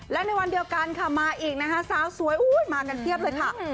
และในวันเดียวกันค่ะมาอีกนะคะสาวสวยมากันเพียบเลยค่ะ